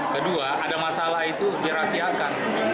kedua ada masalah itu dirahsiakan